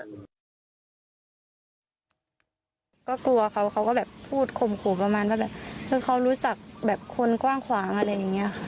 ก็กลัวเขาเขาก็แบบพูดข่มขู่ประมาณว่าแบบคือเขารู้จักแบบคนกว้างขวางอะไรอย่างนี้ค่ะ